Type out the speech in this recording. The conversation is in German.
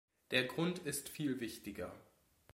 Der Grund ist viel wichtiger.